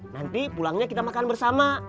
nanti pulangnya kita makan bersama